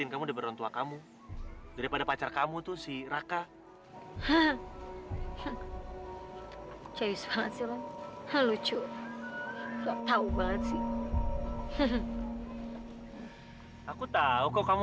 aku pikir kamu akan selalu mendukung aku